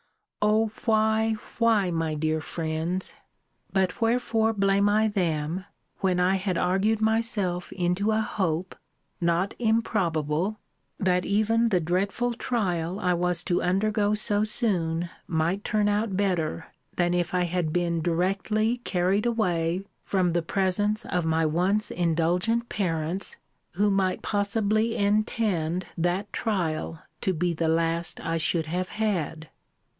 O why, why, my dear friends! But wherefore blame I them, when I had argued myself into a hope, not improbable, that even the dreadful trial I was to undergo so soon might turn out better than if I had been directly carried away from the presence of my once indulgent parents, who might possibly intend that trial to be the last I should have had?